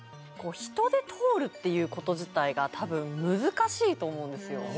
人で通るっていうこと自体が多分難しいと思うんですよ